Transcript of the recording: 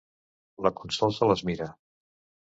La Consol se les mira.